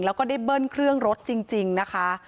แล้วก็ได้เบิ้ลเครื่องรถจริงนะคะ